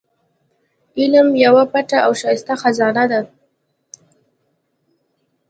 علم يوه پټه او ښايسته خزانه ده.